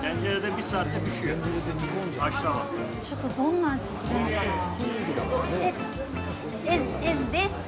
ちょっとどんな味するのかなあ。